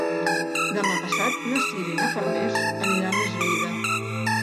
Demà passat na Sira i na Farners aniran a Eslida.